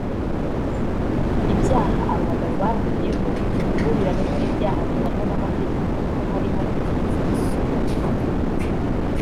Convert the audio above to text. Ibyaha aba bagabo bahuriyeho ni uruhurirane rw’ibyaha bihanwa n’amategeko kuko harimo kunyereza imisoro